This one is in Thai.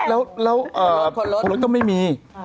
แล้วแล้วเอ่อคนรถก็ไม่มี